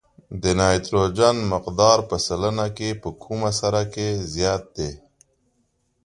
د نایتروجن مقدار په سلنه کې په کومه سره کې زیات دی؟